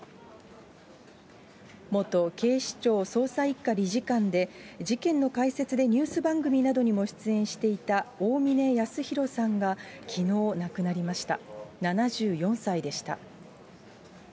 元警視庁捜査１課理事官で、事件の解説でニュース番組などにも出演していた大峯やすひろさんがきのう亡くなりました。